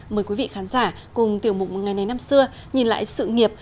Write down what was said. mời quý vị khán giả cùng tiểu mục ngày này năm xưa nhìn lại sự nghiệp